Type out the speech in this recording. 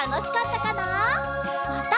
また。